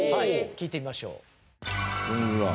聞いてみましょう。